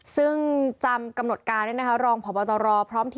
ซึ่งจำกำหนดการเนี่ยนะคะรองผ่อปอตรรรองพร้อม